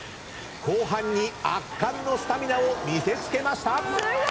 後半に圧巻のスタミナを見せつけました。